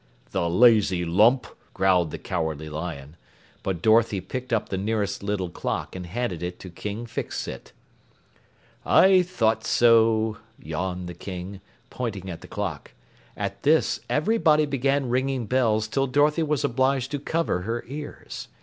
"The lazy lump!" growled the Cowardly Lion. But Dorothy picked up the nearest little clock and handed it to King Fix Sit. "I thought so," yawned the King, pointing at the clock. At this, everybody began ringing bells till Dorothy was obliged to cover her ears.